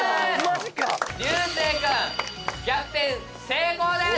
流星くん逆転成功です！